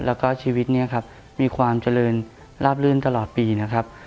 แล้วก็ชีวิตนี้ครับมีความเจริญลาบลื่นตลอดปีนะครับ